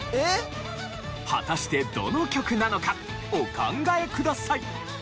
果たしてどの曲なのかお考えください。